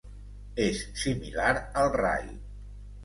És similar al rai.